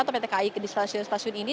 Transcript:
atau pt kai di stasiun stasiun ini